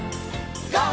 ＧＯ！